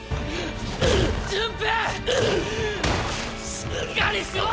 しっかりしろ！